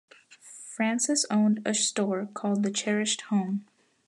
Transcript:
Francis owned a store called The Cherished Home.